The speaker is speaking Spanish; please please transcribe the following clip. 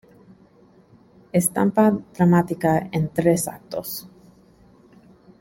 Estampa dramática en tres actos.